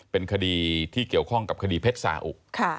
เป็นคดีที่เกี่ยวข้องกับคดีเพชรสาอุ